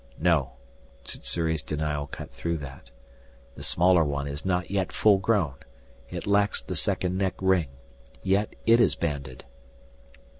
"No," Sssuri's denial cut through that. "The smaller one is not yet full grown. It lacks the second neck ring. Yet it is banded."